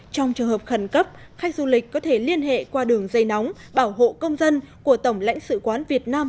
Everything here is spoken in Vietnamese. trong trường hợp khẩn cấp khách du lịch có thể liên hệ qua đường dây nóng bảo hộ công dân của tổng lãnh sự quán việt nam